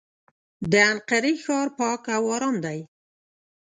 د انقرې ښار پاک او ارام دی.